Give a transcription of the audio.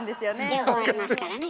両方ありますからね。